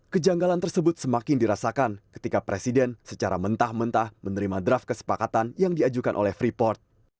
kejanggalan tersebut semakin dirasakan ketika presiden secara mentah mentah menerima draft kesepakatan yang diajukan oleh freeport